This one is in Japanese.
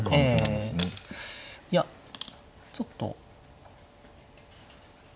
ええいやちょっと。